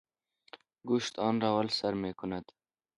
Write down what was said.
گوشت انرا اول سر میکنند